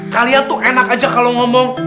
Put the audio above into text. kalian tuh enak aja kalau ngomong